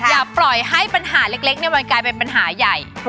อย่าปล่อยให้ปัญหาเล็กมันกลายเป็นปัญหาใหญ่